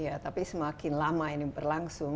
ya tapi semakin lama ini berlangsung